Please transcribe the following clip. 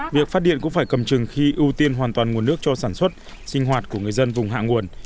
việc phát điện cũng phải cầm chừng khi ưu tiên hoàn toàn nguồn nước cho sản xuất sinh hoạt của người dân vùng hạ nguồn